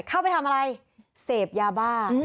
เข้าไปทำอะไรเสพยาบ้า